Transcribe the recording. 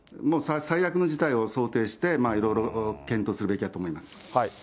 もう最悪の事態を想定して、いろいろ検討するべきだと思いま